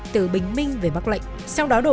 từ bình minh về bắc lệnh